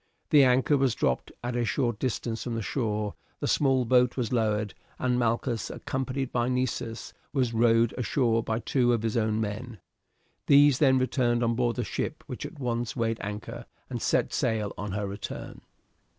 The anchor was dropped at a short distance from the shore, the small boat was lowered, and Malchus, accompanied by Nessus, was rowed ashore by two of his own men. These then returned on board the ship, which at once weighed anchor and set sail on her return.